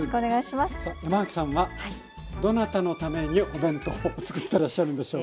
さあ山脇さんはどなたのためにお弁当をつくってらっしゃるんでしょうか？